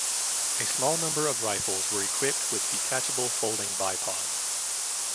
A small number of rifles were equipped with detachable folding bipod.